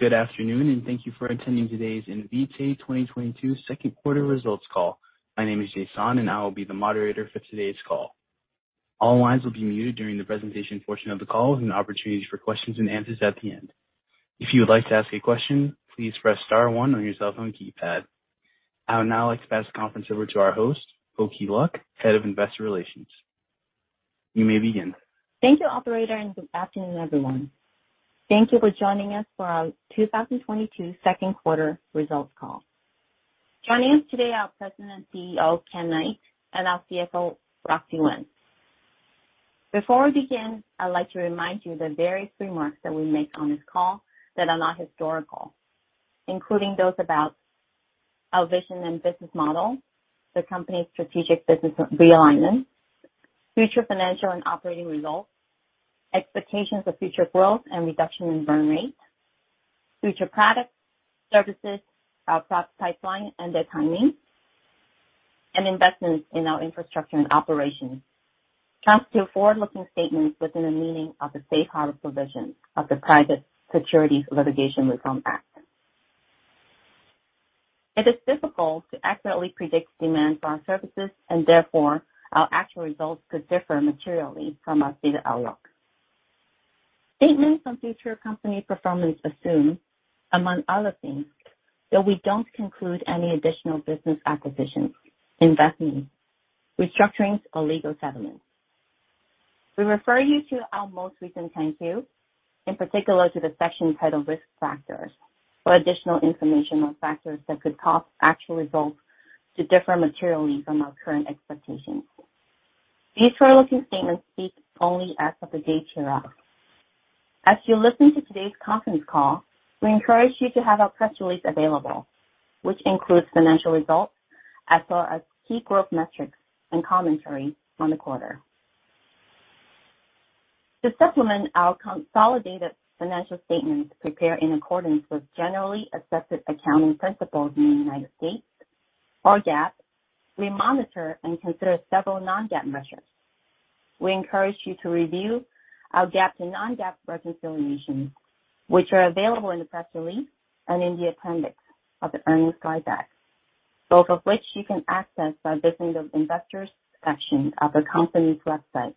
Good afternoon, and thank you for attending today's Invitae 2022 second quarter results call. My name is Jason, and I will be the moderator for today's call. All lines will be muted during the presentation portion of the call with an opportunity for questions and answers at the end. If you would like to ask a question, please press star one on your cell phone keypad. I would now like to pass the conference over to our host, Hoki Luk, Head of Investor Relations. You may begin. Thank you, operator, and good afternoon, everyone. Thank you for joining us for our 2022 second quarter results call. Joining us today are President and CEO, Ken Knight, and our CFO, Roxi Wen. Before we begin, I'd like to remind you that various remarks that we make on this call that are not historical, including those about our vision and business model, the company's strategic business realignment, future financial and operating results, expectations of future growth and reduction in burn rate, future products, services, our product pipeline and their timing, and investments in our infrastructure and operations, constitute forward-looking statements within the meaning of the safe harbor provision of the Private Securities Litigation Reform Act. It is difficult to accurately predict demand for our services, and therefore our actual results could differ materially from our stated outlook. Statements on future company performance assume, among other things, that we don't conclude any additional business acquisitions, investments, restructurings, or legal settlements. We refer you to our most recent 10-Q, in particular to the section titled Risk Factors, for additional information on factors that could cause actual results to differ materially from our current expectations. These forward-looking statements speak only as of the date hereof. As you listen to today's conference call, we encourage you to have our press release available, which includes financial results as well as key growth metrics and commentary on the quarter. To supplement our consolidated financial statements prepared in accordance with generally accepted accounting principles in the United States, or GAAP, we monitor and consider several non-GAAP measures. We encourage you to review our GAAP to non-GAAP reconciliations, which are available in the press release and in the appendix of the earnings guide deck, both of which you can access by visiting the investors section of the company's website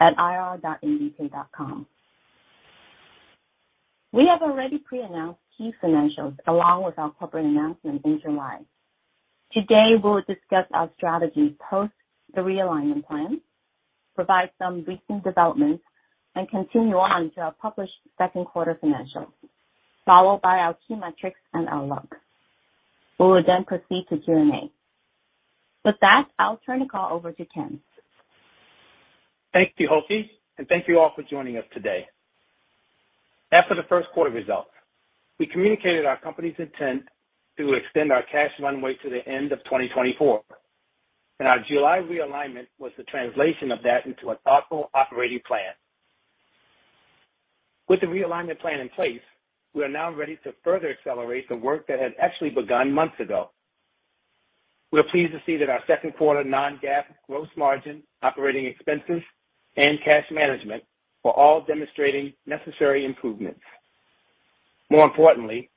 at ir.invitae.com. We have already pre-announced key financials along with our corporate announcement in July. Today, we'll discuss our strategy post the realignment plan, provide some recent developments, and continue on to our published second quarter financials, followed by our key metrics and outlook. We will then proceed to Q&A. With that, I'll turn the call over to Ken. Thank you, Hoki, and thank you all for joining us today. After the first quarter results, we communicated our company's intent to extend our cash runway to the end of 2024, and our July realignment was the translation of that into a thoughtful operating plan. With the realignment plan in place, we are now ready to further accelerate the work that had actually begun months ago. We're pleased to see that our second quarter non-GAAP gross margin, operating expenses, and cash management were all demonstrating necessary improvements. More importantly,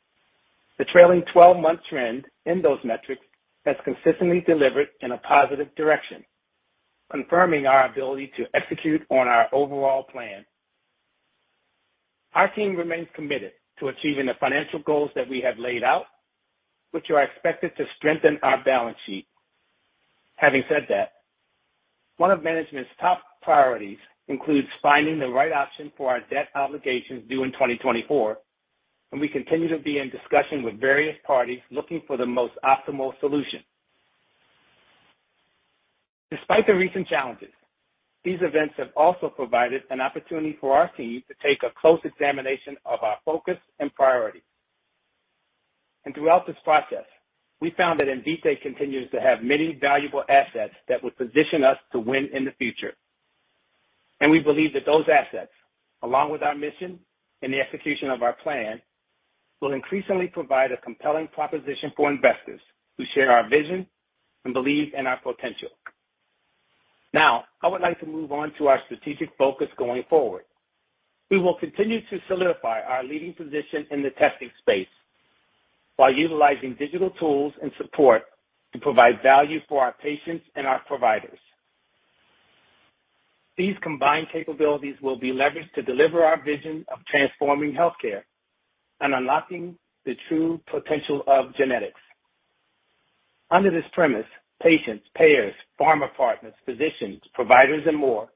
the trailing twelve-month trend in those metrics has consistently delivered in a positive direction, confirming our ability to execute on our overall plan. Our team remains committed to achieving the financial goals that we have laid out, which are expected to strengthen our balance sheet. Having said that, one of management's top priorities includes finding the right option for our debt obligations due in 2024, and we continue to be in discussion with various parties looking for the most optimal solution. Despite the recent challenges, these events have also provided an opportunity for our team to take a close examination of our focus and priorities. Throughout this process, we found that Invitae continues to have many valuable assets that will position us to win in the future. We believe that those assets, along with our mission and the execution of our plan, will increasingly provide a compelling proposition for investors who share our vision and believe in our potential. Now, I would like to move on to our strategic focus going forward. We will continue to solidify our leading position in the testing space while utilizing digital tools and support to provide value for our patients and our providers. These combined capabilities will be leveraged to deliver our vision of transforming healthcare and unlocking the true potential of genetics. Under this premise, patients, payers, pharma partners, physicians, providers, and more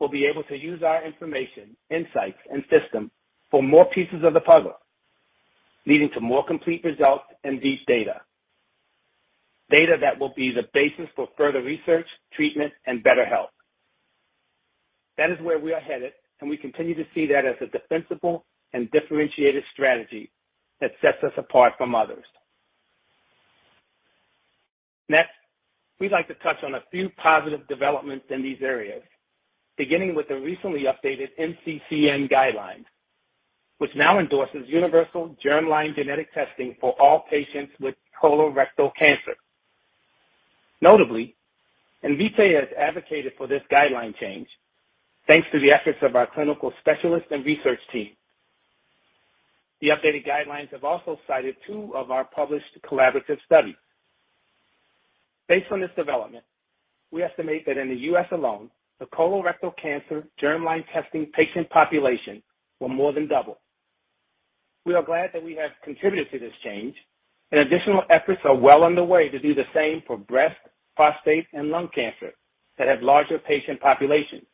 will be able to use our information, insights, and systems for more pieces of the puzzle, leading to more complete results and deep data. Data that will be the basis for further research, treatment, and better health. That is where we are headed, and we continue to see that as a defensible and differentiated strategy that sets us apart from others. Next, we'd like to touch on a few positive developments in these areas, beginning with the recently updated NCCN guidelines, which now endorses universal germline genetic testing for all patients with Colorectal cancer. Notably, Invitae has advocated for this guideline change thanks to the efforts of our clinical specialists and research team. The updated guidelines have also cited two of our published collaborative studies. Based on this development, we estimate that in the U.S. alone, the Colorectal cancer germline testing patient population will more than double. We are glad that we have contributed to this change, and additional efforts are well on the way to do the same for breast, prostate, and lung cancer that have larger patient populations.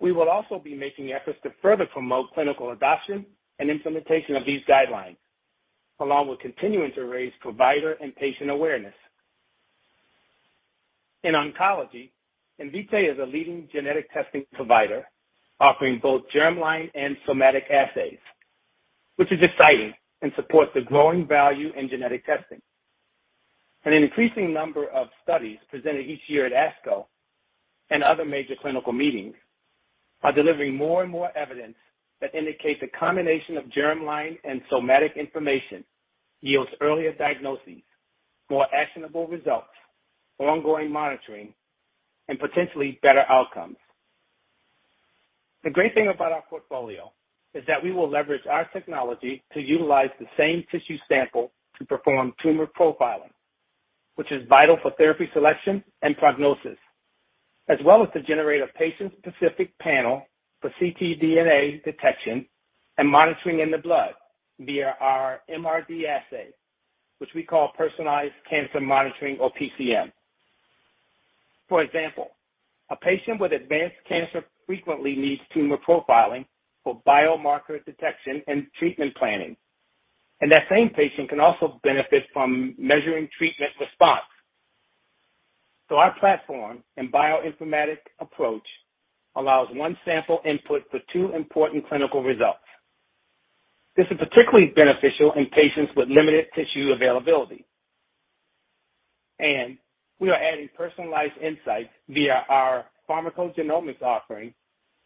We will also be making efforts to further promote clinical adoption and implementation of these guidelines, along with continuing to raise provider and patient awareness. In oncology, Invitae is a leading genetic testing provider, offering both germline and somatic assays, which is exciting and supports the growing value in genetic testing. An increasing number of studies presented each year at ASCO and other major clinical meetings are delivering more and more evidence that indicates a combination of germline and somatic information yields earlier diagnoses, more actionable results, ongoing monitoring, and potentially better outcomes. The great thing about our portfolio is that we will leverage our technology to utilize the same tissue sample to perform tumor profiling, which is vital for therapy selection and prognosis, as well as to generate a patient-specific panel for ctDNA detection and monitoring in the blood via our MRD assay, which we call Personalized Cancer Monitoring or PCM. For example, a patient with advanced cancer frequently needs tumor profiling for biomarker detection and treatment planning, and that same patient can also benefit from measuring treatment response. Our platform and bioinformatic approach allows one sample input for two important clinical results. This is particularly beneficial in patients with limited tissue availability. We are adding personalized insights via our pharmacogenomics offerings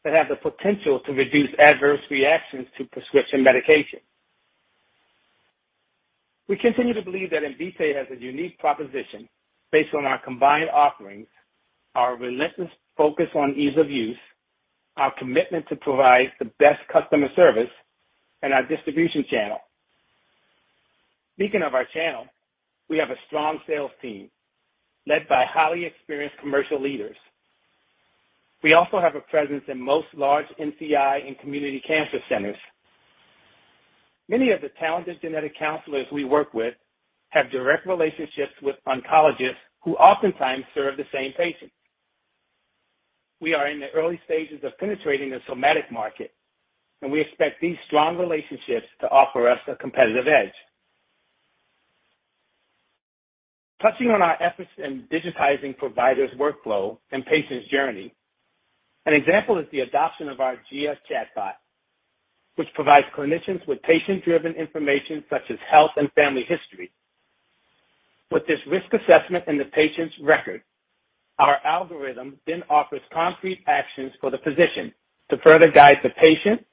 that have the potential to reduce adverse reactions to prescription medications. We continue to believe that Invitae has a unique proposition based on our combined offerings, our relentless focus on ease of use, our commitment to provide the best customer service, and our distribution channel. Speaking of our channel, we have a strong sales team led by highly experienced commercial leaders. We also have a presence in most large NCI and community cancer centers. Many of the talented genetic counselors we work with have direct relationships with oncologists who oftentimes serve the same patients. We are in the early stages of penetrating the somatic market, and we expect these strong relationships to offer us a competitive edge. Touching on our efforts in digitizing providers' workflow and patients' journey, an example is the adoption of our Gia chatbot, which provides clinicians with patient-driven information such as health and family history. With this risk assessment in the patient's record, our algorithm then offers concrete actions for the physician to further guide the patient,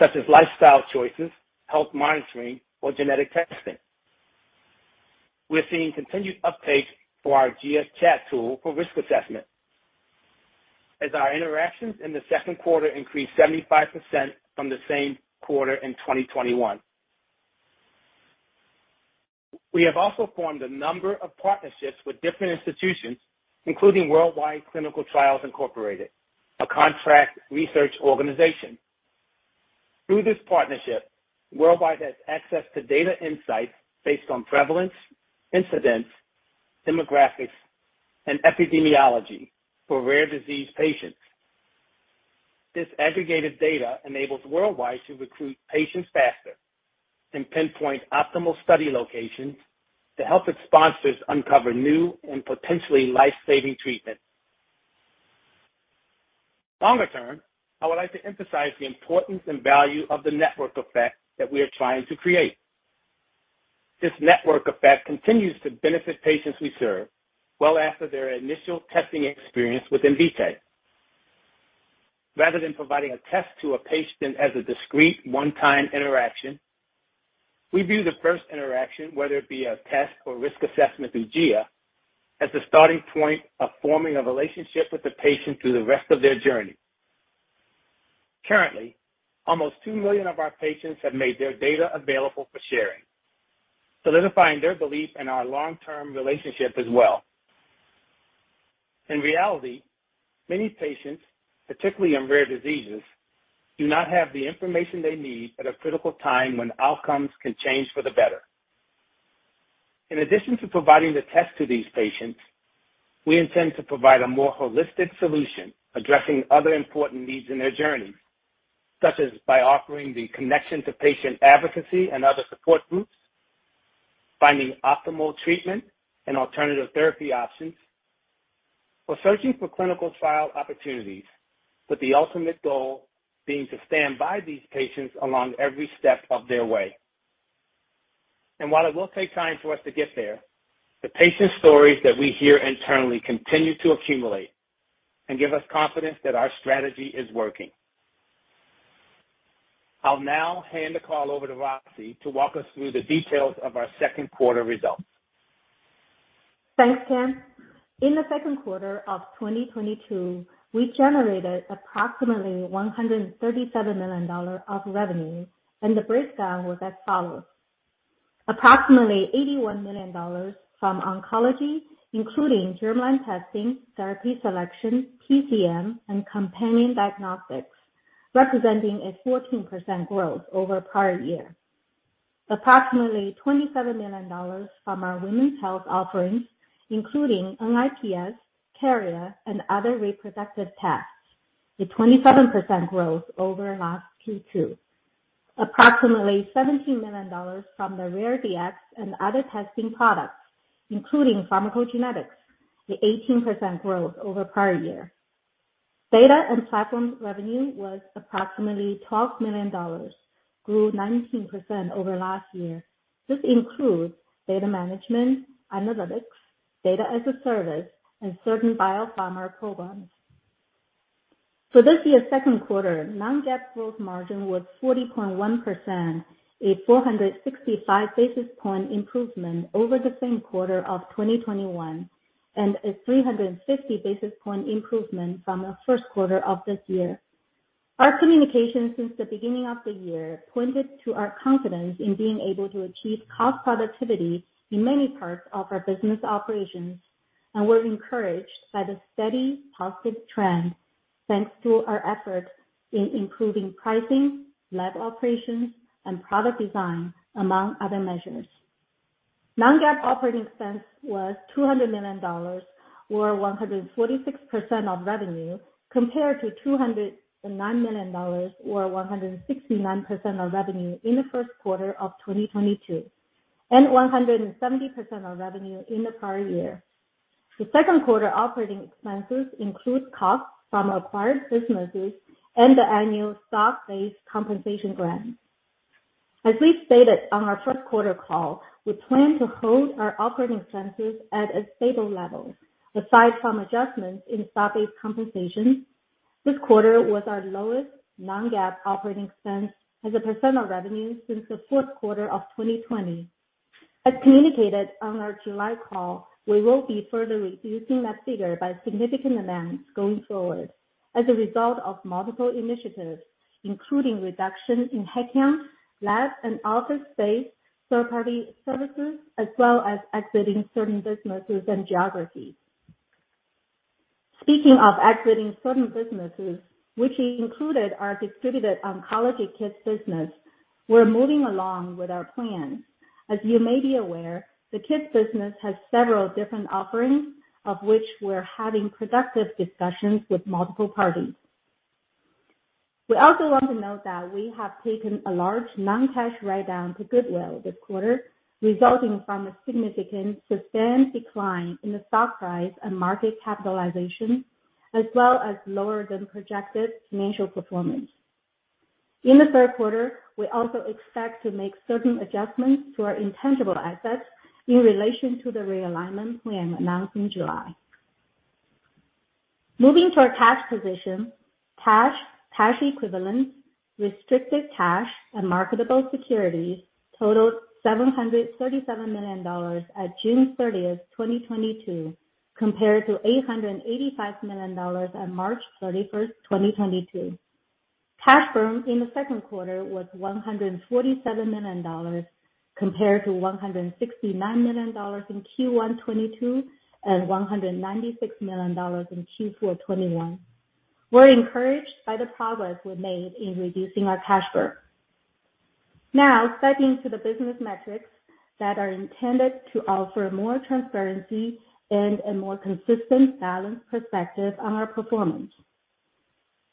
such as lifestyle choices, health monitoring, or genetic testing. We're seeing continued uptake for our Gia chat tool for risk assessment as our interactions in the second quarter increased 75% from the same quarter in 2021. We have also formed a number of partnerships with different institutions, including Worldwide Clinical Trials Incorporated, a contract research organization. Through this partnership, Worldwide has access to data insights based on prevalence, incidence, demographics, and epidemiology for rare disease patients. This aggregated data enables Worldwide to recruit patients faster and pinpoint optimal study locations to help its sponsors uncover new and potentially life-saving treatments. Longer term, I would like to emphasize the importance and value of the network effect that we are trying to create. This network effect continues to benefit patients we serve well after their initial testing experience with Invitae. Rather than providing a test to a patient as a discrete one-time interaction, we view the first interaction, whether it be a test or risk assessment through Gia, as the starting point of forming a relationship with the patient through the rest of their journey. Currently, almost 2 million of our patients have made their data available for sharing, solidifying their belief in our long-term relationship as well. In reality, many patients, particularly in rare diseases, do not have the information they need at a critical time when outcomes can change for the better. In addition to providing the test to these patients, we intend to provide a more holistic solution addressing other important needs in their journey, such as by offering the connection to patient advocacy and other support groups, finding optimal treatment and alternative therapy options, or searching for clinical trial opportunities, with the ultimate goal being to stand by these patients along every step of their way. While it will take time for us to get there, the patient stories that we hear internally continue to accumulate and give us confidence that our strategy is working. I'll now hand the call over to Roxi to walk us through the details of our second quarter results. Thanks, Ken. In the second quarter of 2022, we generated approximately $137 million of revenue, and the breakdown was as follows: Approximately $81 million from oncology, including germline testing, therapy selection, TCM, and companion diagnostics, representing a 14% growth over prior year. Approximately $27 million from our women's health offerings, including NIPS, carrier, and other reproductive tests, a 27% growth over last Q2. Approximately $17 million from the RareDx and other testing products, including pharmacogenetics, the 18% growth over prior year. Data and platform revenue was approximately $12 million, grew 19% over last year. This includes data management, analytics, data as a service, and certain biopharma programs. For this year's second quarter, non-GAAP gross margin was 40.1%, a 465 basis point improvement over the same quarter of 2021, and a 350 basis point improvement from the first quarter of this year. Our communication since the beginning of the year pointed to our confidence in being able to achieve cost productivity in many parts of our business operations, and we're encouraged by the steady positive trend thanks to our efforts in improving pricing, lab operations, and product design, among other measures. Non-GAAP operating expense was $200 million or 146% of revenue, compared to $209 million or 169% of revenue in the first quarter of 2022, and 170% of revenue in the prior year. The second quarter operating expenses include costs from acquired businesses and the annual stock-based compensation grant. As we stated on our first quarter call, we plan to hold our operating expenses at a stable level. Aside from adjustments in stock-based compensation, this quarter was our lowest non-GAAP operating expense as a % of revenue since the fourth quarter of 2020. As communicated on our July call, we will be further reducing that figure by significant amounts going forward as a result of multiple initiatives, including reduction in headcount, lab and office space, third-party services, as well as exiting certain businesses and geographies. Speaking of exiting certain businesses, which included our distributed oncology kits business, we're moving along with our plan. As you may be aware, the kits business has several different offerings of which we're having productive discussions with multiple parties. We also want to note that we have taken a large non-cash write-down to goodwill this quarter, resulting from a significant sustained decline in the stock price and market capitalization, as well as lower than projected financial performance. In the third quarter, we also expect to make certain adjustments to our intangible assets in relation to the realignment we announced in July. Moving to our cash position, cash equivalents, restricted cash, and marketable securities totaled $737 million at June 30, 2022, compared to $885 million on March 31, 2022. Cash burn in the second quarter was $147 million compared to $169 million in Q1 2022, and $196 million in Q4 2021. We're encouraged by the progress we've made in reducing our cash burn. Now stepping to the business metrics that are intended to offer more transparency and a more consistent, balanced perspective on our performance.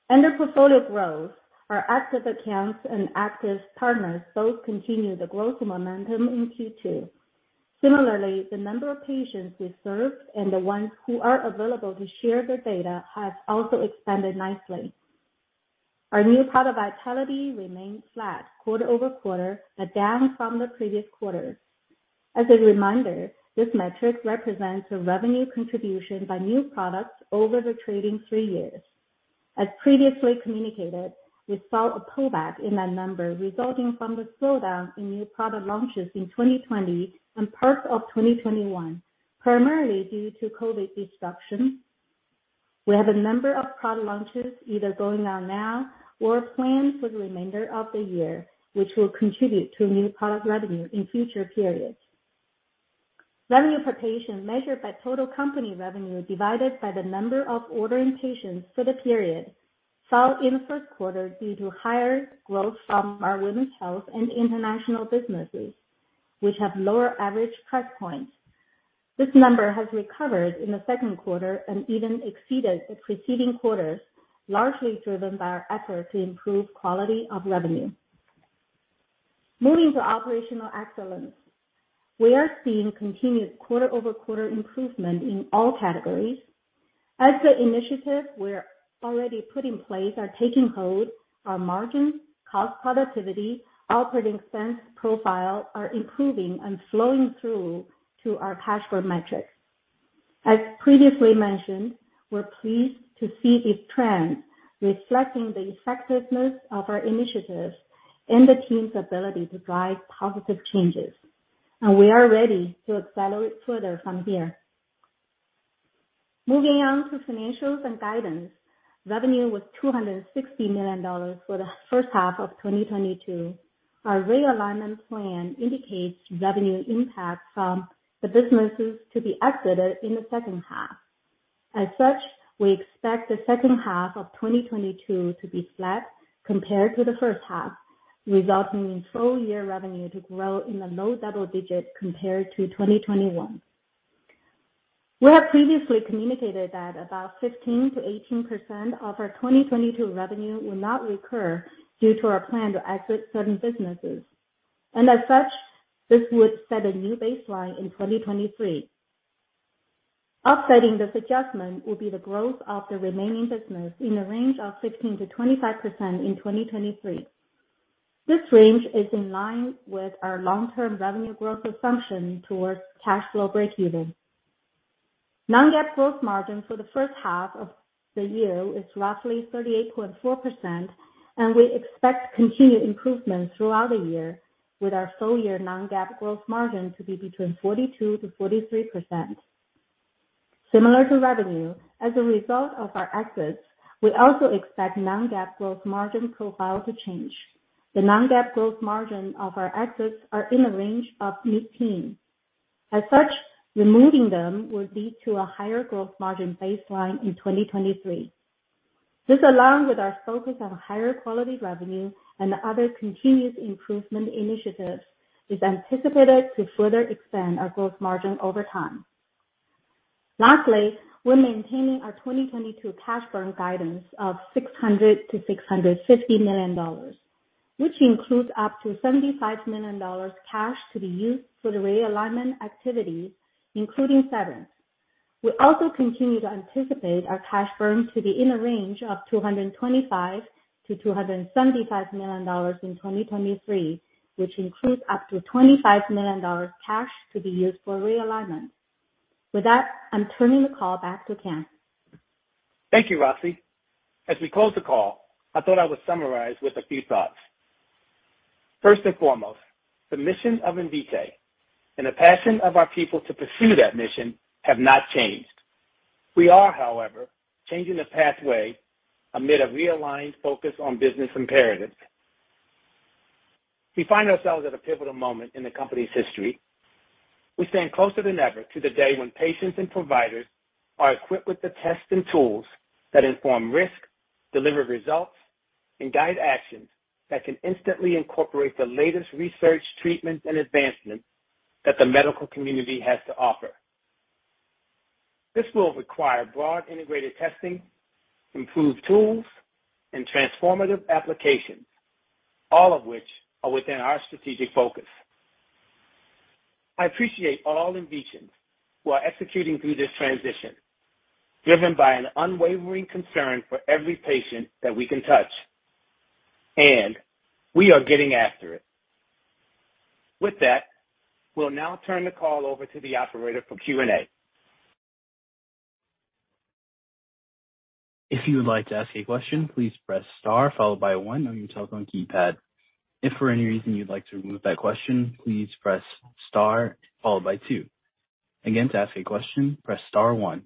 Under portfolio growth, our active accounts and active partners both continue the growth momentum in Q2. Similarly, the number of patients we served and the ones who are available to share their data has also expanded nicely. Our new product vitality remained flat quarter over quarter, but down from the previous quarter. As a reminder, this metric represents the revenue contribution by new products over the trailing three years. As previously communicated, we saw a pullback in that number, resulting from the slowdown in new product launches in 2020 and parts of 2021, primarily due to COVID disruption. We have a number of product launches either going on now or planned for the remainder of the year, which will contribute to new product revenue in future periods. Revenue per patient measured by total company revenue divided by the number of ordering patients for the period, fell in the first quarter due to higher growth from our women's health and international businesses, which have lower average price points. This number has recovered in the second quarter and even exceeded the preceding quarters, largely driven by our effort to improve quality of revenue. Moving to operational excellence. We are seeing continued quarter-over-quarter improvement in all categories. As the initiatives we've already put in place are taking hold, our margins, cost productivity, operating expense profile are improving and flowing through to our cash burn metrics. As previously mentioned, we're pleased to see a trend reflecting the effectiveness of our initiatives and the team's ability to drive positive changes, and we are ready to accelerate further from here. Moving on to financials and guidance. Revenue was $260 million for the first half of 2022. Our realignment plan indicates revenue impact from the businesses to be exited in the second half. As such, we expect the second half of 2022 to be flat compared to the first half, resulting in full-year revenue to grow in the low double digits% compared to 2021. We have previously communicated that about 15%-18% of our 2022 revenue will not recur due to our plan to exit certain businesses, and as such, this would set a new baseline in 2023. Offsetting this adjustment will be the growth of the remaining business in the range of 15%-25% in 2023. This range is in line with our long-term revenue growth assumption towards cash flow breakeven. Non-GAAP gross margin for the first half of the year is roughly 38.4%, and we expect continued improvements throughout the year with our full year non-GAAP gross margin to be between 42%-43%. Similar to revenue, as a result of our exits, we also expect non-GAAP gross margin profile to change. The non-GAAP gross margin of our exits are in the range of mid-teens%. As such, removing them will lead to a higher growth margin baseline in 2023. This, along with our focus on higher quality revenue and other continuous improvement initiatives, is anticipated to further expand our growth margin over time. Lastly, we're maintaining our 2022 cash burn guidance of $600 million-$650 million, which includes up to $75 million cash to be used for the realignment activities, including severance. We also continue to anticipate our cash burn to be in a range of $225 million-$275 million in 2023, which includes up to $25 million cash to be used for realignment. With that, I'm turning the call back to Ken. Thank you, Roxi. As we close the call, I thought I would summarize with a few thoughts. First and foremost, the mission of Invitae and the passion of our people to pursue that mission have not changed. We are, however, changing the pathway amid a realigned focus on business imperatives. We find ourselves at a pivotal moment in the company's history. We stand closer than ever to the day when patients and providers are equipped with the tests and tools that inform risk, deliver results, and guide actions that can instantly incorporate the latest research, treatment, and advancements that the medical community has to offer. This will require broad integrated testing, improved tools, and transformative applications, all of which are within our strategic focus. I appreciate all Inviteans who are executing through this transition, driven by an unwavering concern for every patient that we can touch, and we are getting after it. With that, we'll now turn the call over to the operator for Q&A. If you would like to ask a question, please press star followed by one on your telephone keypad. If for any reason you'd like to remove that question, please press star followed by two. Again, to ask a question, press star one.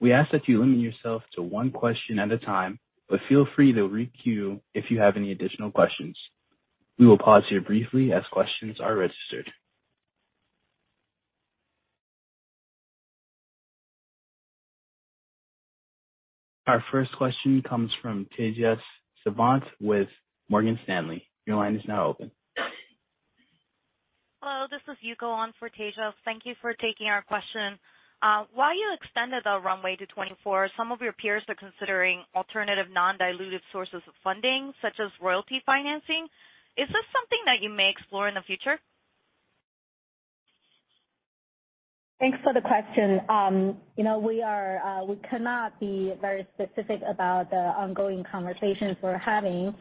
We ask that you limit yourself to one question at a time, but feel free to re-queue if you have any additional questions. We will pause here briefly as questions are registered. Our first question comes from Tejas Savant with Morgan Stanley. Your line is now open. Hello, this is Yuko on for Tejas. Thank you for taking our question. While you extended the runway to 2024, some of your peers are considering alternative non-dilutive sources of funding such as royalty financing. Is this something that you may explore in the future? Thanks for the question. You know, we cannot be very specific about the ongoing conversations we're having.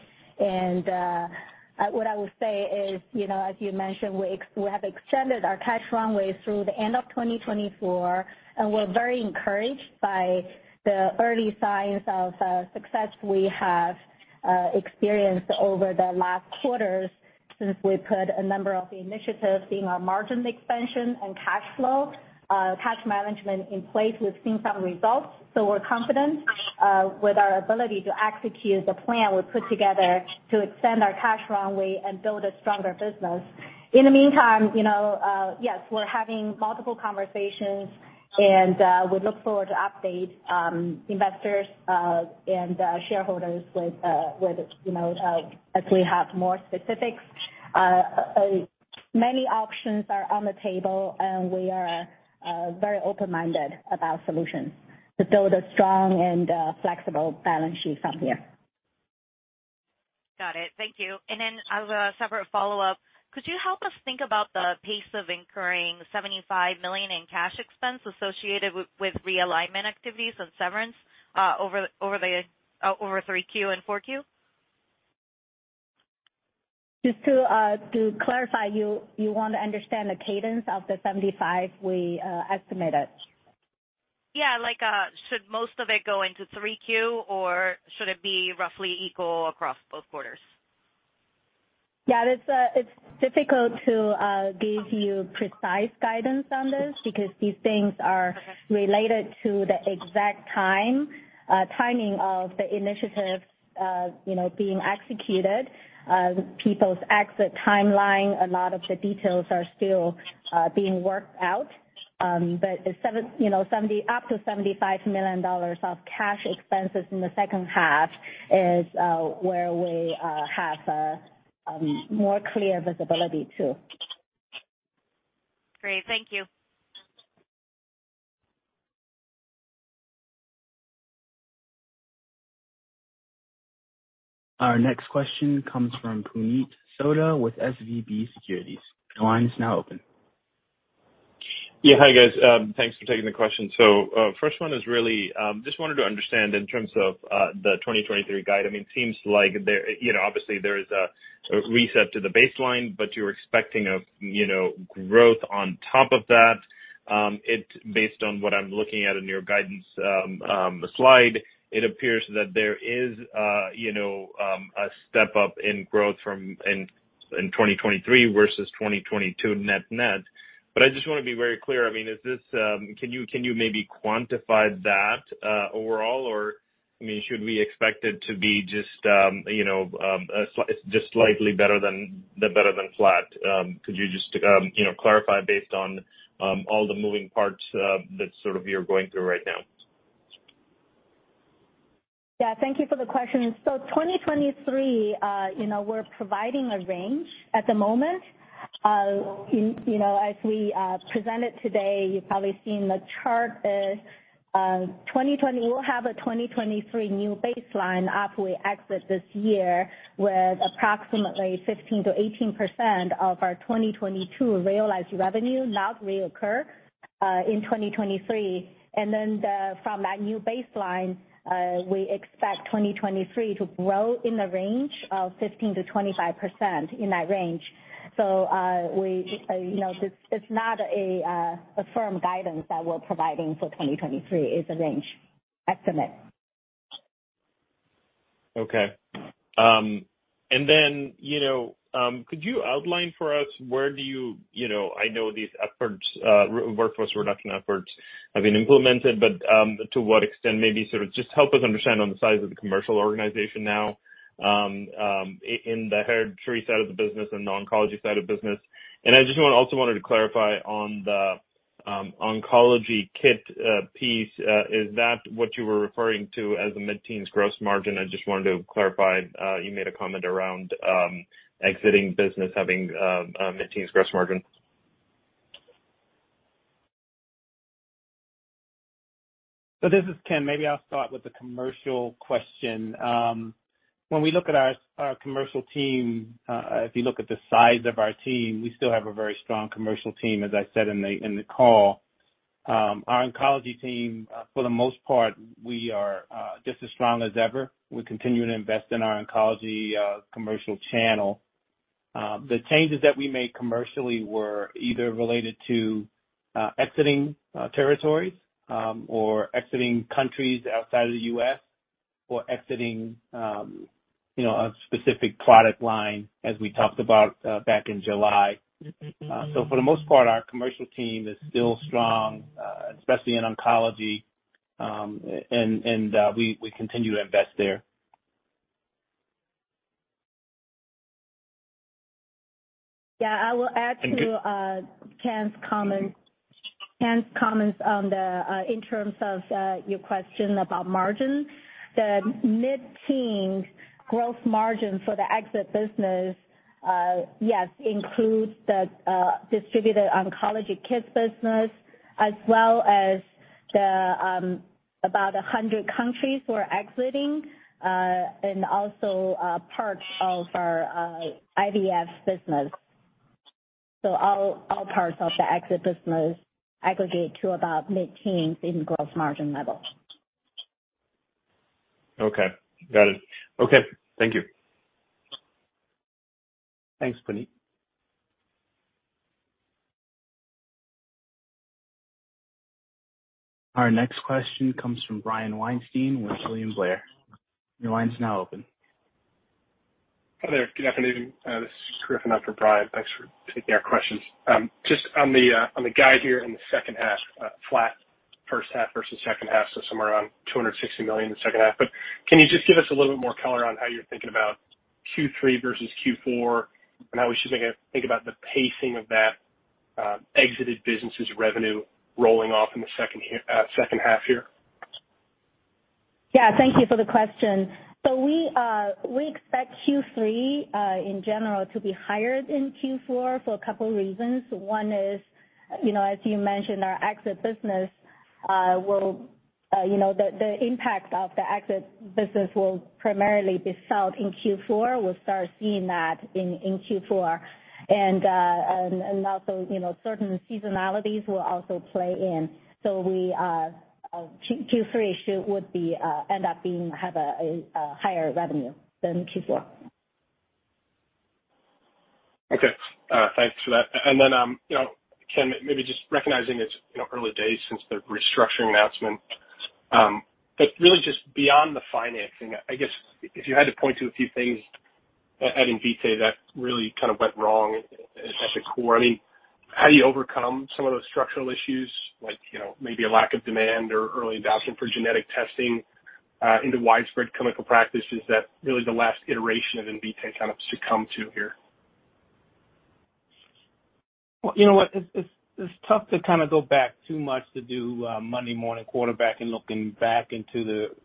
What I would say is, you know, as you mentioned, we have extended our cash runway through the end of 2024, and we're very encouraged by the early signs of success we have experienced over the last quarters since we put a number of the initiatives, being our margin expansion and cash flow, cash management in place. We've seen some results, so we're confident with our ability to execute the plan we put together to extend our cash runway and build a stronger business. In the meantime, you know, yes, we're having multiple conversations and we look forward to update investors and shareholders with you know, as we have more specifics. Many options are on the table, and we are very open-minded about solutions to build a strong and flexible balance sheet from here. Got it. Thank you. As a separate follow-up, could you help us think about the pace of incurring $75 million in cash expense associated with realignment activities and severance over 3Q and 4Q? Just to clarify, you want to understand the cadence of the 75 we estimated? Yeah. Like, should most of it go into 3Q or should it be roughly equal across both quarters? Yeah, it's difficult to give you precise guidance on this because these things are related to the exact time, timing of the initiative, you know, being executed, people's exit timeline. A lot of the details are still being worked out. The $70 million-$75 million of cash expenses in the second half is where we have more clear visibility too. Great. Thank you. Our next question comes from Puneet Souda with SVB Securities. Your line is now open. Yeah. Hi, guys. Thanks for taking the question. First one is really just wanted to understand in terms of the 2023 guide. I mean, it seems like there, you know, obviously there is a reset to the baseline, but you're expecting you know growth on top of that. It's based on what I'm looking at in your guidance slide, it appears that there is you know a step up in growth from in 2023 versus 2022 net net. I just wanna be very clear. I mean, is this can you maybe quantify that overall, or I mean, should we expect it to be just you know just slightly better than flat? Could you just, you know, clarify based on all the moving parts that sort of you're going through right now? Yeah, thank you for the question. 2023, you know, we're providing a range at the moment. In, you know, as we presented today, you've probably seen the chart. 2023 we'll have a 2023 new baseline after we exit this year with approximately 15%-18% of our 2022 realized revenue not reoccur in 2023. From that new baseline, we expect 2023 to grow in the range of 15%-25%. You know, it's not a firm guidance that we're providing for 2023. It's a range estimate. Okay. You know, could you outline for us where do you know, I know these efforts, workforce reduction efforts have been implemented, but to what extent maybe sort of just help us understand on the size of the commercial organization now, in the hereditary side of the business and the oncology side of business. I just also wanted to clarify on the oncology kit piece, is that what you were referring to as the mid-teens gross margin? I just wanted to clarify. You made a comment around exiting business having a mid-teens gross margin. This is Ken. Maybe I'll start with the commercial question. When we look at our commercial team, if you look at the size of our team, we still have a very strong commercial team, as I said in the call. Our oncology team, for the most part, we are just as strong as ever. We're continuing to invest in our oncology commercial channel. The changes that we made commercially were either related to exiting territories or exiting countries outside of the U.S. or exiting, you know, a specific product line as we talked about back in July. For the most part, our commercial team is still strong, especially in oncology. We continue to invest there. Yeah, I will add to. Thank you. Ken's comments on the in terms of your question about margin. The mid-teen% gross margin for the exit business, yes, includes the distributed oncology kits business as well as the about 100 countries we're exiting, and also a part of our IVF business. All parts of the exit business aggregate to about mid-teens% in gross margin level. Okay. Got it. Okay. Thank you. Thanks, Puneet. Our next question comes from Brian Weinstein with William Blair. Your line is now open. Hi there. Good afternoon. This is Griffin after Brian. Thanks for taking our questions. Just on the guide here in the second half, flat first half versus second half, so somewhere around $260 million in the second half. Can you just give us a little bit more color on how you're thinking about Q3 versus Q4, and how we should think about the pacing of that, exited businesses revenue rolling off in the second half? Yeah, thank you for the question. We expect Q3 in general to be higher than Q4 for a couple reasons. One is, you know, as you mentioned, our exit business will, you know, the impact of the exit business will primarily be felt in Q4. We'll start seeing that in Q4. Also, you know, certain seasonalities will also play in. Q3 would have a higher revenue than Q4. Okay. Thanks for that. Then, you know, Ken, maybe just recognizing it's, you know, early days since the restructuring announcement. Really just beyond the financing, I guess if you had to point to a few things at the core. I mean, how do you overcome some of those structural issues like, you know, maybe a lack of demand or early adoption for genetic testing into widespread clinical practices that really the last iteration of Invitae kind of succumbed to here? You know what? It's tough to kinda go back too much to do Monday morning quarterback and looking back into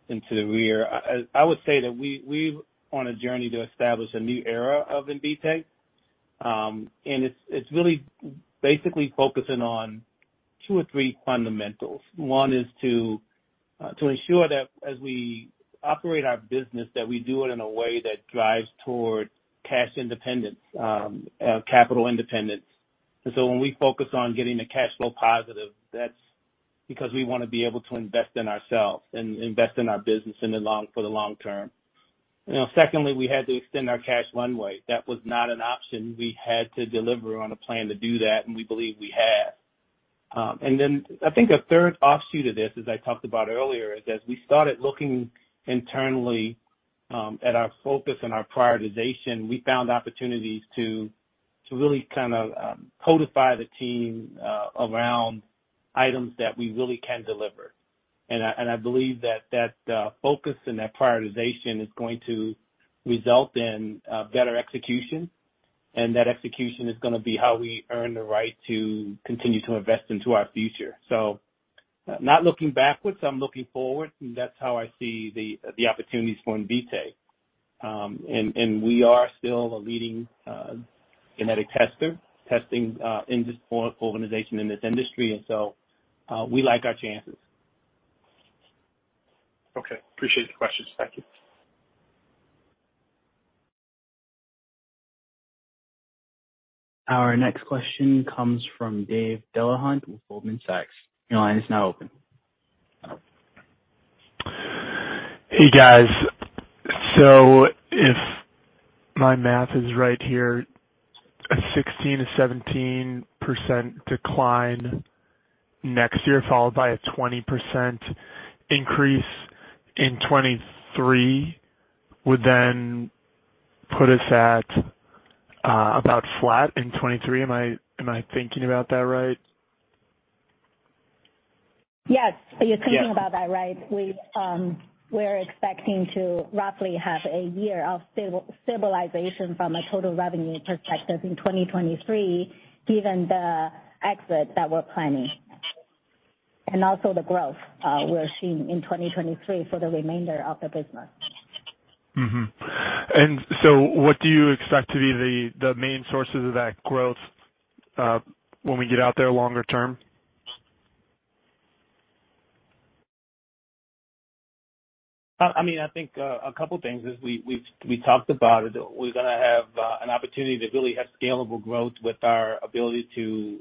the rear. I would say that we're on a journey to establish a new era of Invitae. It's really basically focusing on two or three fundamentals. One is to ensure that as we operate our business, that we do it in a way that drives toward cash independence, capital independence. When we focus on getting to cash flow positive, that's because we wanna be able to invest in ourselves and invest in our business for the long term. You know, secondly, we had to extend our cash runway. That was not an option. We had to deliver on a plan to do that, and we believe we have. I think a third offshoot of this, as I talked about earlier, is as we started looking internally at our focus and our prioritization, we found opportunities to really kind of codify the team around items that we really can deliver. I believe that focus and that prioritization is going to result in better execution. That execution is gonna be how we earn the right to continue to invest into our future. Not looking backwards, I'm looking forward, and that's how I see the opportunities for Invitae. We are still a leading genetic testing organization in this industry. We like our chances. Okay. Appreciate the questions. Thank you. Our next question comes from Dave Delahunt with Goldman Sachs. Your line is now open. Hey, guys. If my math is right here, a 16%-17% decline next year, followed by a 20% increase in 2023, would then put us at about flat in 2023. Am I thinking about that right? Yes. Yeah. You're thinking about that right. We're expecting to roughly have a year of stabilization from a total revenue perspective in 2023, given the exit that we're planning. Also the growth we're seeing in 2023 for the remainder of the business. What do you expect to be the main sources of that growth, when we get out there longer term? I mean, I think a couple things as we talked about it. We're gonna have an opportunity to really have scalable growth with our ability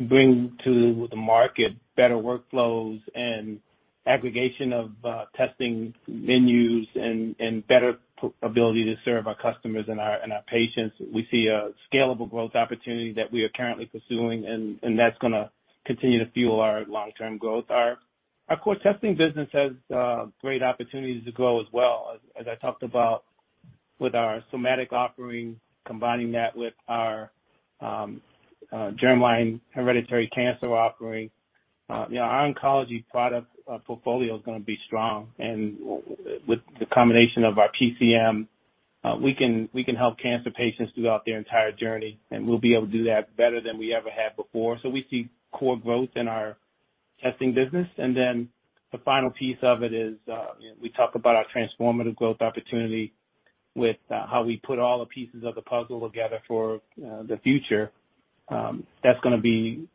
to bring to the market better workflows and aggregation of testing menus and better ability to serve our customers and our patients. We see a scalable growth opportunity that we are currently pursuing and that's gonna continue to fuel our long-term growth. Our core testing business has great opportunities to grow as well. As I talked about with our somatic offering, combining that with our germline hereditary cancer offering. You know, our oncology product portfolio is gonna be strong. With the combination of our PCM, we can help cancer patients throughout their entire journey, and we'll be able to do that better than we ever have before. We see core growth in our testing business. Then the final piece of it is, you know, we talk about our transformative growth opportunity with how we put all the pieces of the puzzle together for the future. That's gonna be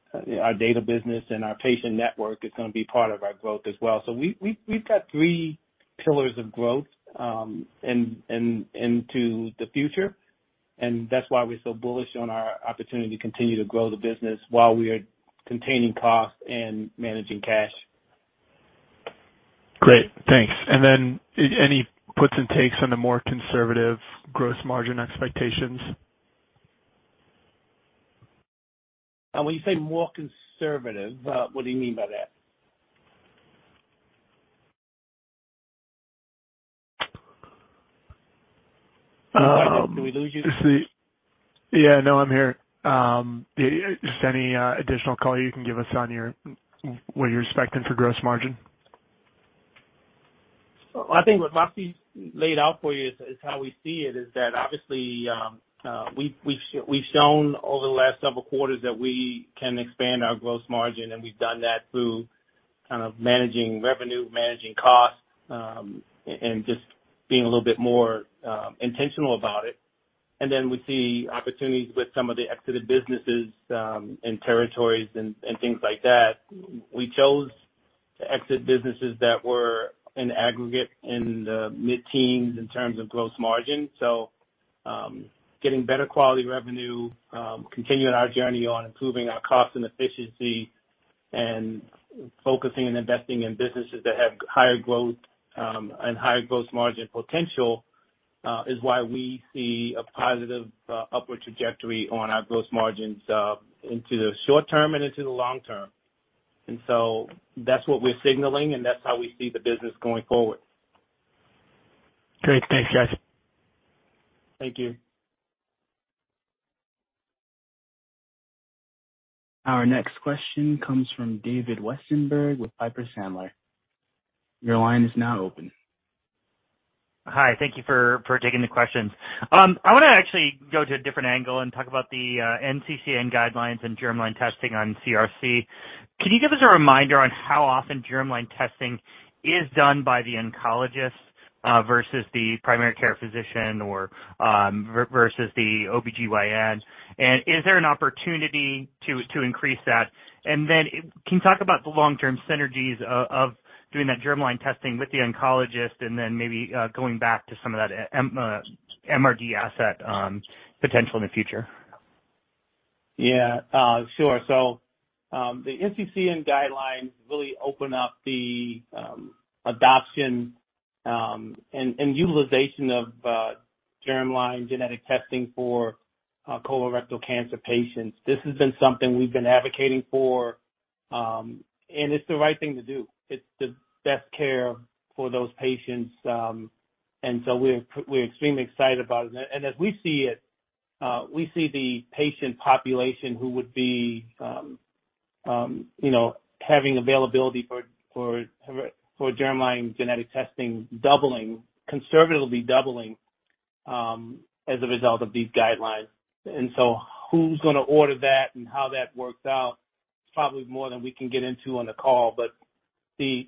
our data business and our patient network is gonna be part of our growth as well. We've got three pillars of growth into the future, and that's why we're so bullish on our opportunity to continue to grow the business while we are containing costs and managing cash. Great. Thanks. Any puts and takes on the more conservative gross margin expectations? When you say more conservative? Yeah. What do you mean by that? Did we lose you? Yeah. No, I'm here. Just any additional color you can give us on your, what you're expecting for gross margin? I think what Vasi's laid out for you is how we see it, that obviously, we've shown over the last several quarters that we can expand our gross margin, and we've done that through kind of managing revenue, managing costs, and just being a little bit more intentional about it. Then we see opportunities with some of the exited businesses, and territories and things like that. We chose to exit businesses that were in aggregate in the mid-teens in terms of gross margin. Getting better quality revenue, continuing our journey on improving our cost and efficiency and focusing and investing in businesses that have higher growth, and higher gross margin potential, is why we see a positive upward trajectory on our gross margins into the short term and into the long term. That's what we're signaling, and that's how we see the business going forward. Great. Thanks, guys. Thank you. Our next question comes from David Westenberg with Piper Sandler. Your line is now open. Hi. Thank you for taking the questions. I wanna actually go to a different angle and talk about the NCCN guidelines and germline testing on CRC. Can you give us a reminder on how often germline testing is done by the oncologist versus the primary care physician or versus the OBGYN? And is there an opportunity to increase that? And then can you talk about the long-term synergies of doing that germline testing with the oncologist and then maybe going back to some of that MRD assay potential in the future? Yeah. Sure. The NCCN guidelines really open up the adoption and utilization of germline genetic testing for Colorectal cancer patients. This has been something we've been advocating for, and it's the right thing to do. It's the best care for those patients. We're extremely excited about it. As we see it, we see the patient population who would be, you know, having availability for germline genetic testing doubling, conservatively doubling, as a result of these guidelines. Who's gonna order that and how that works out, it's probably more than we can get into on the call. The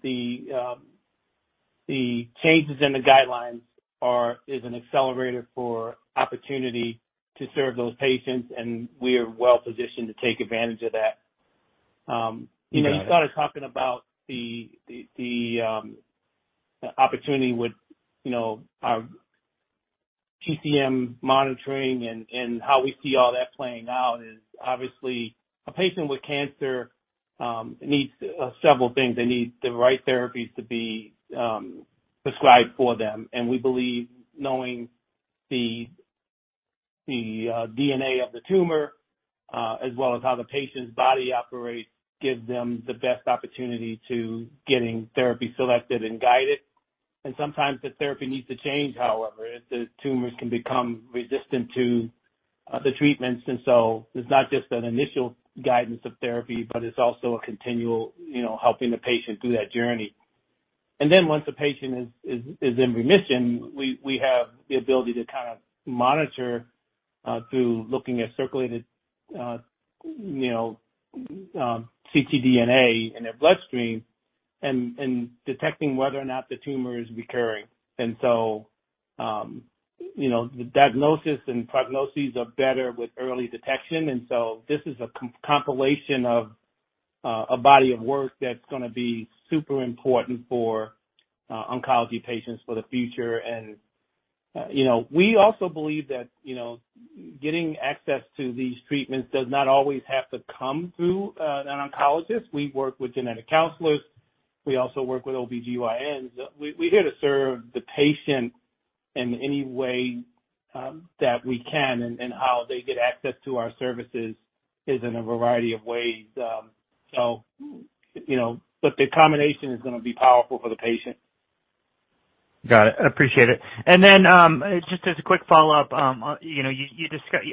changes in the guidelines are an accelerator for opportunity to serve those patients, and we're well-positioned to take advantage of that. You know, you started talking about the opportunity with, you know, our PCM monitoring and how we see all that playing out. Obviously a patient with cancer needs several things. They need the right therapies to be prescribed for them. We believe knowing the DNA of the tumor as well as how the patient's body operates gives them the best opportunity to getting therapy selected and guided. Sometimes the therapy needs to change, however. The tumors can become resistant to the treatments, and so it's not just an initial guidance of therapy, but it's also a continual, you know, helping the patient through that journey. Once the patient is in remission, we have the ability to kind of monitor through looking at circulating ctDNA in their bloodstream and detecting whether or not the tumor is recurring. You know, the diagnosis and prognoses are better with early detection. This is a compilation of a body of work that's gonna be super important for oncology patients for the future. You know, we also believe that getting access to these treatments does not always have to come through an oncologist. We work with genetic counselors. We also work with OBGYNs. We're here to serve the patient in any way that we can, and how they get access to our services is in a variety of ways. You know. The combination is gonna be powerful for the patient. Got it. Appreciate it. Just as a quick follow-up. You know,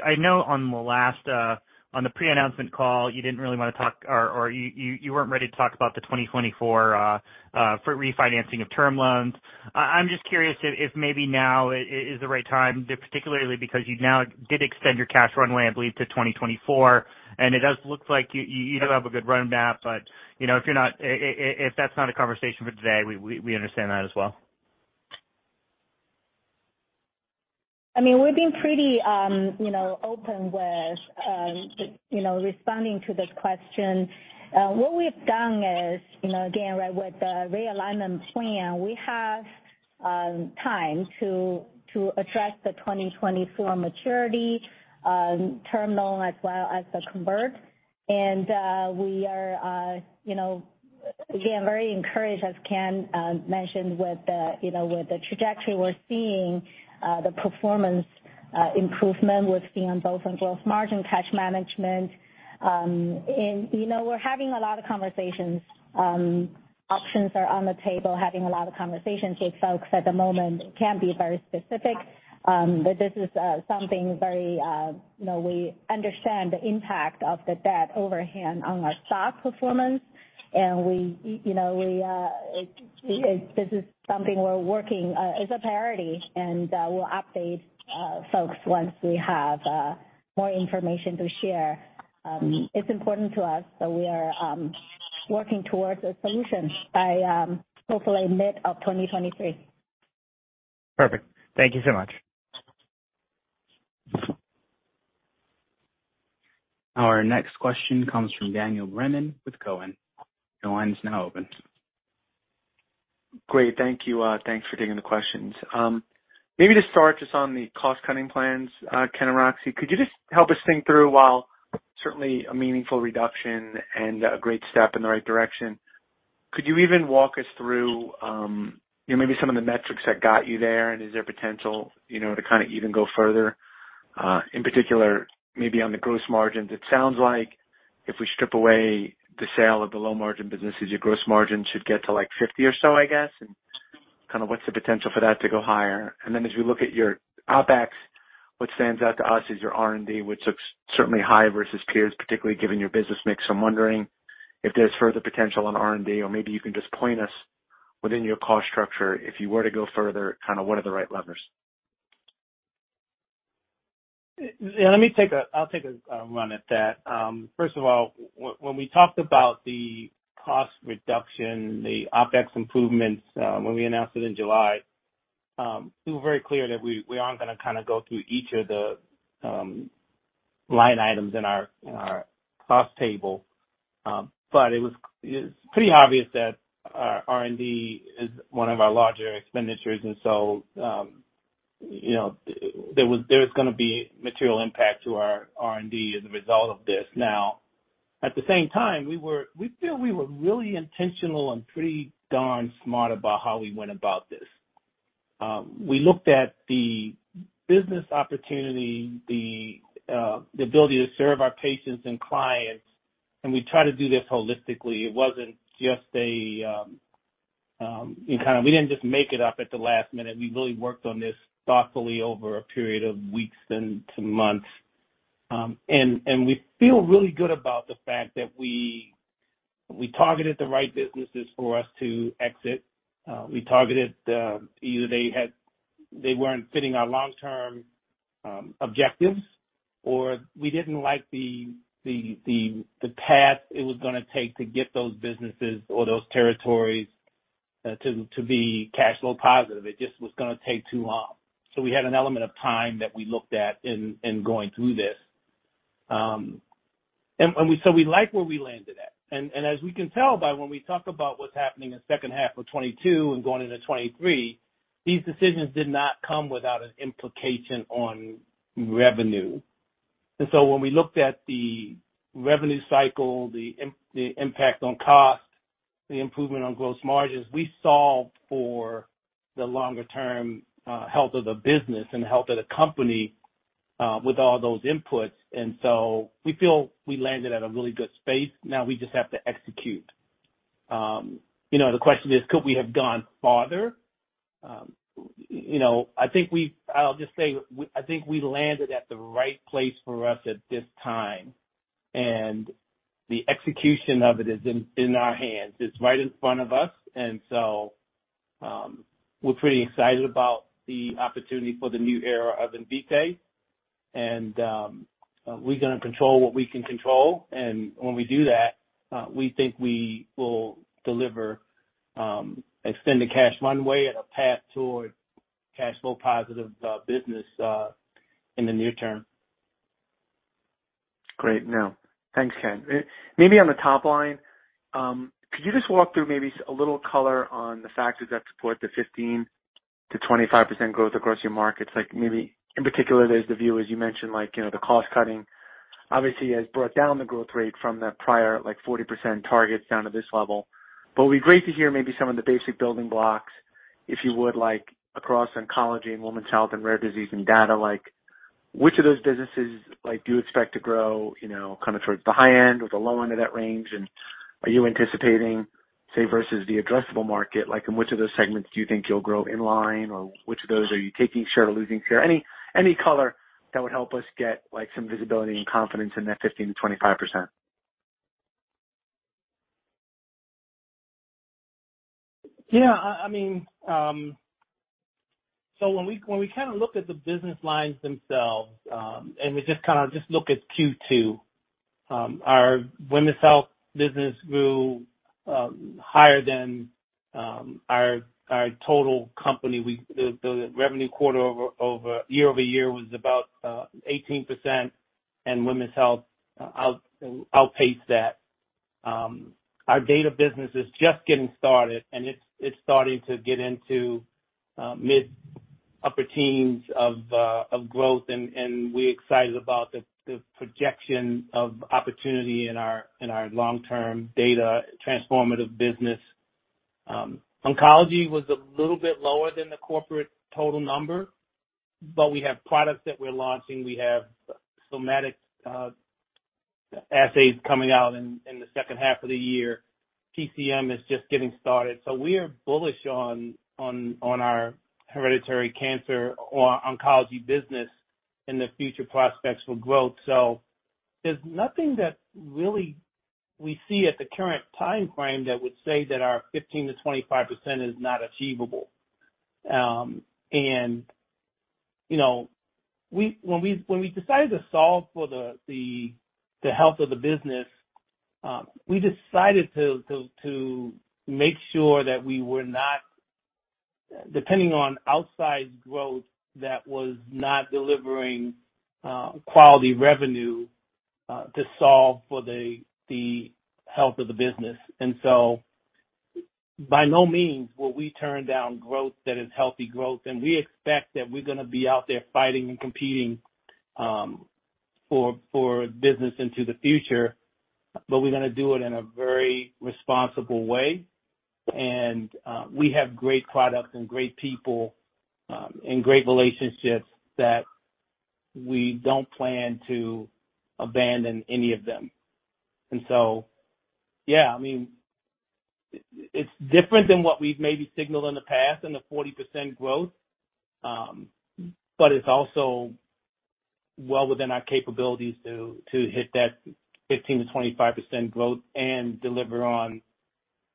I know on the last, on the pre-announcement call, you didn't really wanna talk or you weren't ready to talk about the 2024 refinancing of term loans. I'm just curious if maybe now is the right time, particularly because you now did extend your cash runway, I believe, to 2024, and it does look like you do have a good roadmap. You know, if you're not, if that's not a conversation for today, we understand that as well. I mean, we've been pretty, you know, open with, you know, responding to this question. What we've done is, you know, again, right, with the realignment plan, we have time to address the 2024 maturity term loan as well as the convert. We are, you know, again, very encouraged, as Ken mentioned, you know, with the trajectory we're seeing, the performance improvement we're seeing both in growth, gross margin, cash management. You know, we're having a lot of conversations. Options are on the table, having a lot of conversations with folks at the moment. Can't be very specific, but this is something very, you know, we understand the impact of the debt overhang on our stock performance. We, you know, this is something we're working. It's a priority, and we'll update folks once we have more information to share. It's important to us, so we are working towards a solution by hopefully mid of 2023. Perfect. Thank you so much. Our next question comes from Daniel Brennan with Cowen. Your line is now open. Great. Thank you. Thanks for taking the questions. Maybe to start just on the cost-cutting plans, Ken, Roxi, could you just help us think through while certainly a meaningful reduction and a great step in the right direction, could you even walk us through, you know, maybe some of the metrics that got you there and is there potential, you know, to kinda even go further, in particular maybe on the gross margins? It sounds like if we strip away the sale of the low-margin businesses, your gross margin should get to, like, 50 or so, I guess. Kinda what's the potential for that to go higher? Then as we look at your OpEx, what stands out to us is your R&D, which looks certainly high versus peers, particularly given your business mix. I'm wondering if there's further potential on R&D or maybe you can just point us within your cost structure, if you were to go further, kinda what are the right levers? Yeah, let me take a run at that. First of all, when we talked about the cost reduction, the OpEx improvements, when we announced it in July, we were very clear that we aren't gonna kinda go through each of the line items in our cost table. It's pretty obvious that our R&D is one of our larger expenditures and so, you know, there is gonna be material impact to our R&D as a result of this. Now, at the same time, we feel we were really intentional and pretty darn smart about how we went about this. We looked at the business opportunity, the ability to serve our patients and clients, and we try to do this holistically. It wasn't just, you know, kind of we didn't just make it up at the last minute. We really worked on this thoughtfully over a period of weeks and two months. We feel really good about the fact that we targeted the right businesses for us to exit. We targeted either they weren't fitting our long-term objectives, or we didn't like the path it was gonna take to get those businesses or those territories to be cash flow positive. It just was gonna take too long. We had an element of time that we looked at in going through this. We like where we landed at. as we can tell by when we talk about what's happening in second half of 2022 and going into 2023, these decisions did not come without an implication on revenue. When we looked at the revenue cycle, the impact on cost, the improvement on gross margins, we solved for the longer-term health of the business and the health of the company with all those inputs. We feel we landed at a really good space. Now we just have to execute. The question is, could we have gone farther? I'll just say, I think we landed at the right place for us at this time, and the execution of it is in our hands. It's right in front of us, and so we're pretty excited about the opportunity for the new era of Invitae. We're gonna control what we can control. When we do that, we think we will deliver extended cash runway and a path toward cash flow positive business in the near term. Great. No. Thanks, Ken. Maybe on the top line, could you just walk through maybe a little color on the factors that support the 15%-25% growth across your markets? Like maybe in particular, there's the view, as you mentioned, like, you know, the cost cutting obviously has brought down the growth rate from the prior, like, 40% targets down to this level. But it'd be great to hear maybe some of the basic building blocks, if you would, like, across oncology and women's health and rare disease and data, like which of those businesses, like, do you expect to grow, you know, kind of towards the high end or the low end of that range? Are you anticipating, say versus the addressable market, like in which of those segments do you think you'll grow in line or which of those are you taking share or losing share? Any color that would help us get like some visibility and confidence in that 15%-25%. I mean, when we kinda look at the business lines themselves, and we just kinda look at Q2, our women's health business grew higher than our total company. The revenue quarter-over-year was about 18% and women's health outpaced that. Our data business is just getting started and it's starting to get into mid upper teens of growth and we're excited about the projection of opportunity in our long-term data transformative business. Oncology was a little bit lower than the corporate total number, but we have products that we're launching. We have somatic assays coming out in the second half of the year. PCM is just getting started. We are bullish on our hereditary cancer or oncology business and the future prospects for growth. There's nothing that really we see at the current timeframe that would say that our 15%-25% is not achievable. When we decided to solve for the health of the business, we decided to make sure that we were not depending on outsized growth that was not delivering quality revenue to solve for the health of the business. By no means will we turn down growth that is healthy growth, and we expect that we're gonna be out there fighting and competing for business into the future, but we're gonna do it in a very responsible way. We have great products and great people, and great relationships that we don't plan to abandon any of them. Yeah, I mean, it's different than what we've maybe signaled in the past and the 40% growth, but it's also well within our capabilities to hit that 15%-25% growth and deliver on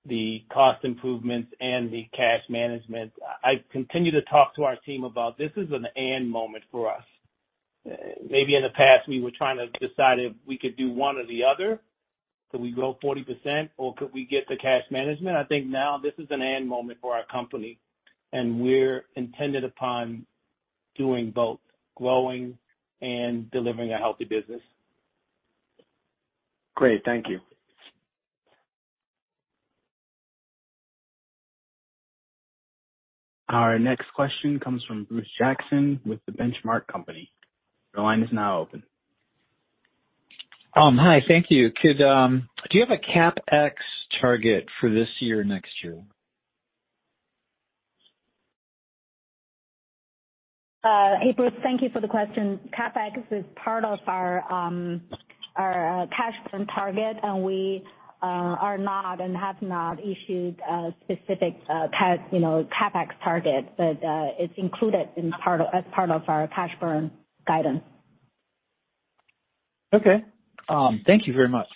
the cost improvements and the cash management. I continue to talk to our team about this is an and moment for us. Maybe in the past, we were trying to decide if we could do one or the other. Could we grow 40% or could we get the cash management? I think now this is an and moment for our company, and we're intended upon doing both growing and delivering a healthy business. Great. Thank you. Our next question comes from Bruce Jackson with The Benchmark Company. Your line is now open. Hi, thank you. Do you have a CapEx target for this year or next year? Bruce, thank you for the question. CapEx is part of our cash burn target, and we are not and have not issued a specific CapEx target, but it's included as part of our cash burn guidance. Okay. Thank you very much.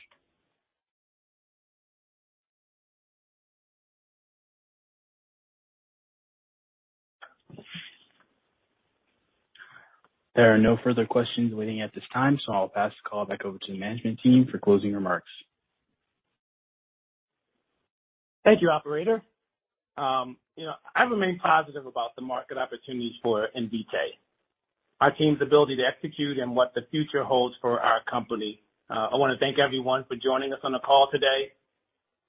There are no further questions waiting at this time, so I'll pass the call back over to the management team for closing remarks. Thank you, operator. You know, I remain positive about the market opportunities for Invitae, our team's ability to execute and what the future holds for our company. I wanna thank everyone for joining us on the call today.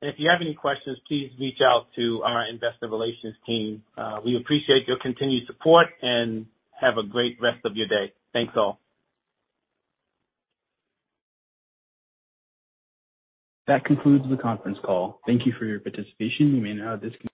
If you have any questions, please reach out to our investor relations team. We appreciate your continued support, and have a great rest of your day. Thanks, all. That concludes the conference call. Thank you for your participation. You may now disconnect.